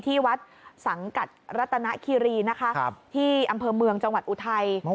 ที่วัดสังกัดรัตนคิรีนะคะที่อำเภอเมืองจังหวัดอุทัย